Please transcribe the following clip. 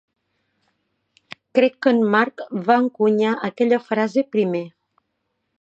Crec que en Mark va encunyar aquella frase primer.